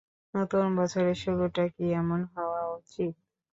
নতুন বছরের শুরুটা কি এমন হওয়া উচিত?